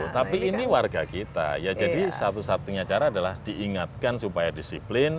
tapi ini warga kita ya jadi satu satunya cara adalah diingatkan supaya disiplin